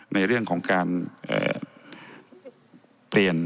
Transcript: ในเรื่องของการเปลี่ยน